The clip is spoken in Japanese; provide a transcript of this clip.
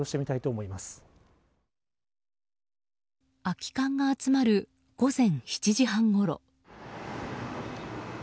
空き缶が集まる午前７時半ごろ。